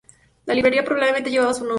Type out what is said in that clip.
La librería probablemente llevaba su nombre.